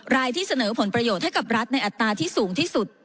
รายที่เสนอผลประโยชน์ให้กับรัฐในอัตราที่สูงที่สุด